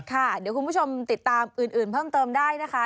ค่ะเดี๋ยวคุณผู้ชมติดตามอื่นเพิ่มเติมได้นะคะ